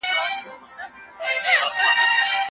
سبا به هغه د الله په دربار کي په تسليمۍ دعا کوي.